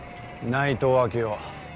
内藤昭雄。